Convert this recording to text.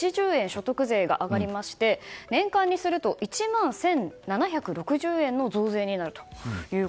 所得税が上がりまして年間にすると１万１７６０円の増税になると。